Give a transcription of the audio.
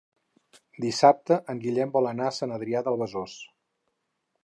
Dissabte en Guillem vol anar a Sant Adrià de Besòs.